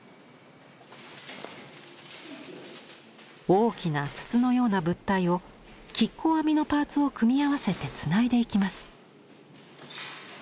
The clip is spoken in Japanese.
大きな筒のような物体を亀甲編みのパーツを組み合わせてつないでいきます。